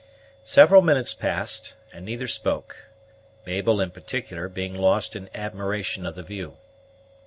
Several minutes passed, and neither spoke; Mabel, in particular, being lost in admiration of the view.